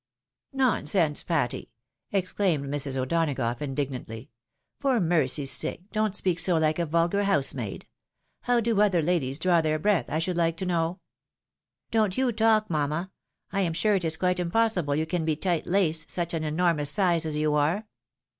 " Nonsense, Patty !" exclaimed Mrs. O'Donagough, indig nantly ;" for mercy's sake, don't speak so hke a vulgar house maid. How do other ladies draw their breath, I should hke to know?" " Don't you talk, mamma ; I am sure it is quite impossible you can be tight laced, such an enormous size as you are."